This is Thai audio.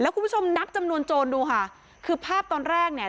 คุณผู้ชมนับจำนวนโจรดูค่ะคือภาพตอนแรกเนี่ย